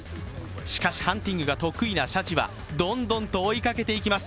しかしハンティングが得意なシャチはどんどんと追いかけています。